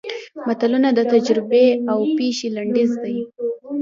متلونه د تجربې او پېښې لنډیز دي